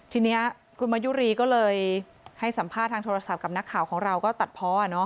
ทีนี้คุณมายุรีก็เลยให้สัมภาษณ์ทางโทรศัพท์กับนักข่าวของเราก็ตัดเพาะ